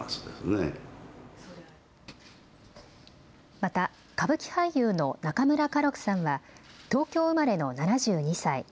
また歌舞伎俳優の中村歌六さんは東京生まれの７２歳。